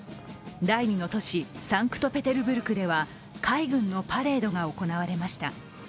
第２の都市サンクトペテルブルクでは海軍のパレードが行われました。